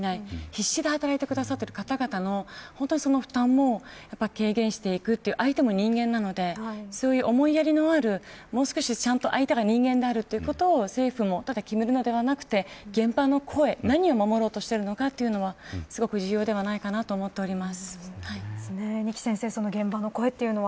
必死で働いてくださっている方々の負担も軽減していくという相手も人間なのでそういう思いやりのあるもう少し、相手が人間であるということも政府は、ただ決めるのではなく現場の声、何を守ろうとしているのかというのはすごく重要ではないかなと二木先生